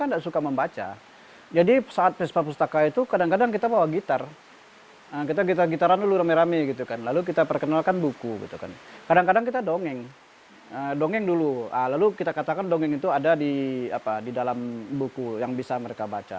di dalam buku yang bisa mereka baca